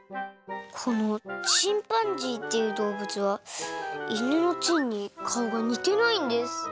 このチンパンジーっていうどうぶつはいぬの狆にかおがにてないんです。